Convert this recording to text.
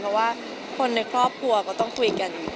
เพราะว่าคนในครอบครัวก็ต้องคุยกัน